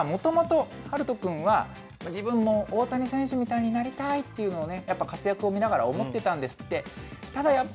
もともと遥斗君は自分も大谷選手みたいになりたいっていうのをね、やっぱり活躍を見ながら思ってたんですって。